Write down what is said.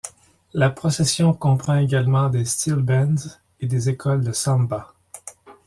La procession comprend également des steelbands et des écoles de samba.